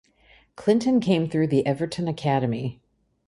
Clinton came through the Everton academy.